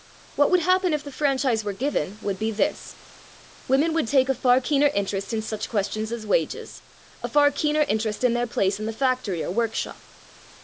What would happen if the franchise were given would be this: Women would take a far keener interest in such questions as wages, a far keener interest in their place in the factory or workshop.